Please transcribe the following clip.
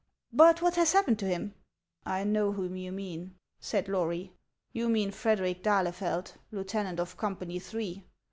But what has happened to him ?" '•1 know whom you mean," said Lory; "you mean Frederic d'Ahlefeld, lieutenant of Company Three.